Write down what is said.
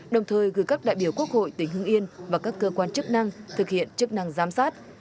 đồng thời gửi các đại biểu quốc hội tỉnh hưng yên và các cơ quan chức năng thực hiện chức năng giám sát